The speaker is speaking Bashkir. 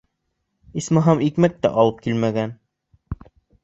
Исмаһам, икмәк тә алып килмәгән.